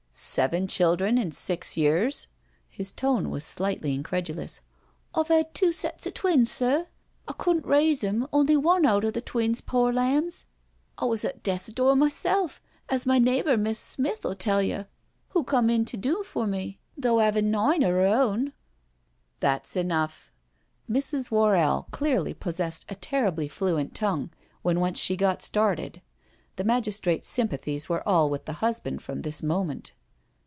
"Seven children in six years?'* His tone was slightly incredulous. " I've 'ad two sets of twins, sir. I cotddn't raise 'em, only one out o' the twins, pore lambs. I was at death's door myself, as my neighbour. Miss* Smith, 'uU tell you, w'o cum in to do for me| tho' *avin nine of '^r own. ..."" That's enough." Mrs. Worrell clearly possessed a terribly fluent tongue, when once she got started. The magistrate's sympathies were all with the husband from this moment.